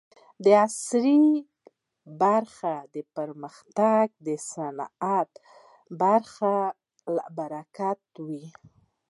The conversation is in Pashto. د عصري برخې پرمختګ د سنتي برخې له برکته و.